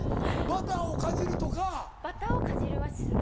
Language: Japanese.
バターをかじるはする。